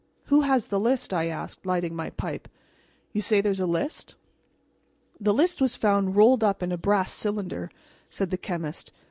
"Who has the list?" I asked, lighting my pipe. "You say there is a list?" "The list was found rolled up in a brass cylinder," said the chemist.